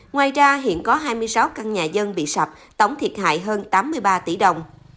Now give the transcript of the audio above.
ngoài ra hiện có hai mươi sáu căn nhà dân bị sập tổng thiệt hại hơn tám mươi ba tỷ đồng